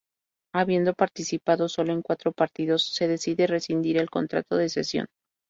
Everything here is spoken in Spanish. Habiendo participado solo en cuatro partidos se decide rescindir el contrato de cesión.